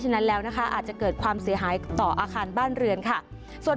ฉะนั้นแล้วนะคะอาจจะเกิดความเสียหายต่ออาคารบ้านเรือนค่ะส่วน